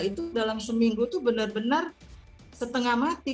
itu dalam seminggu itu benar benar setengah mati